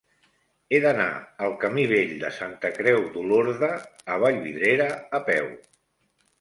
He d'anar al camí Vell de Santa Creu d'Olorda a Vallvidrera a peu.